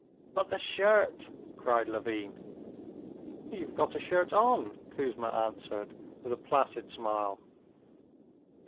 "But the shirt!" cried Levin. "You've got a shirt on," Kouzma answered, with a placid smile.